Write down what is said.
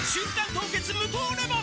凍結無糖レモン」